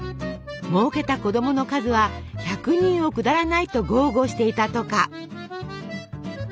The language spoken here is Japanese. もうけた子供の数は１００人を下らないと豪語していたとか。